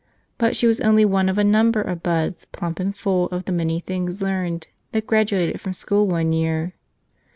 But she was only one of a number of buds, plump and full of the many things learned, that graduated from school one year.